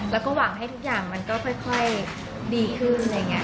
แล้วก็หวังให้ทุกอย่างมันก็ค่อยดีขึ้น